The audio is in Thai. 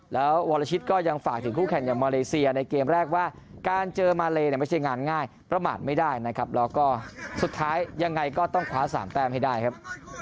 แล้ววรชิตก็ยังฝากถึงคู่แข่งอย่างมาเลเซียในเกมแรกว่าการเจอมาเลเนี่ยไม่ใช่งานง่ายประมาทไม่ได้นะครับแล้วก็สุดท้ายยังไงก็ต้องคว้า๓แต้มให้ได้ครับ